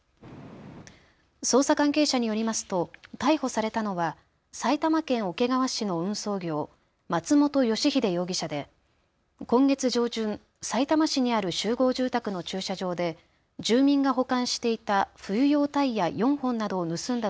捜査関係者によりますと逮捕されたのは埼玉県桶川市の運送業、松本吉秀容疑者で今月上旬、さいたま市にある集合住宅の駐車場で住民が保管していた冬用タイヤ４本などを盗んだ